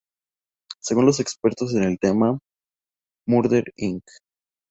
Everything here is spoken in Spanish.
Según los expertos en el tema, Murder, Inc.